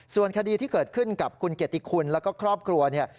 ส่วนคดีที่เกิดขึ้นกับคุณเกียรติคุณแล้วก็ครอบครัวเนี่ย